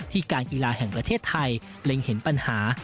การกีฬาแห่งประเทศไทยเล็งเห็นปัญหา